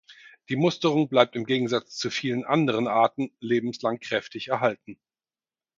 Die Musterung bleibt im Gegensatz zu vielen anderen Arten lebenslang kräftig erhalten.